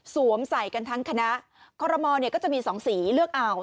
ใส่กันทั้งคณะคอรมอลก็จะมีสองสีเลือกเอา